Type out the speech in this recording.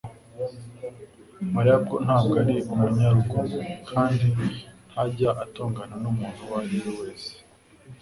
mariya ntabwo ari umunyarugomo kandi ntajya atongana n'umuntu uwo ari we wese